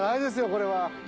これは。